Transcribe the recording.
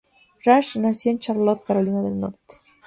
Rash nació en Charlotte, Carolina del Norte.